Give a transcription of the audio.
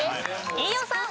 飯尾さん。